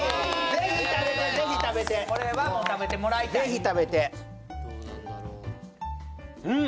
ぜひ食べてぜひ食べてこれはもう食べてもらいたいぜひ食べてうん！